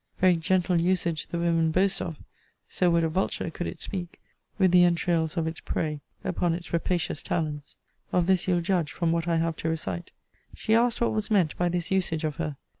Very gentle usage the women boast of: so would a vulture, could it speak, with the entrails of its prey upon its rapacious talons. Of this you'll judge from what I have to recite. She asked, what was meant by this usage of her?